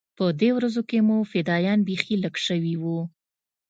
په دې ورځو کښې مو فدايان بيخي لږ سوي وو.